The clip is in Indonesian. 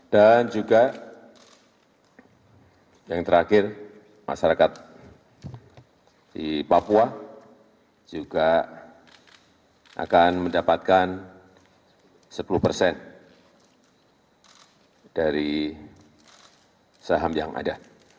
dan juga yang terakhir masyarakat di papua juga akan mendapatkan sepuluh persen dari saham yang ada